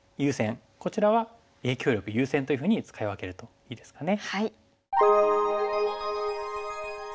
こちらは影響力優先というふうに使い分けるといいですかね。